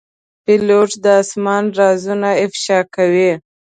پیلوټ د آسمان رازونه افشا کوي.